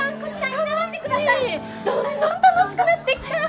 どんどん楽しくなってきた！